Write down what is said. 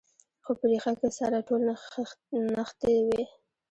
خو په ریښه کې سره ټول نښتي وي.